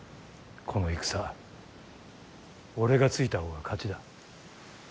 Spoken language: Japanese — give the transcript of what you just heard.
この戦俺がついた方が勝ちだ。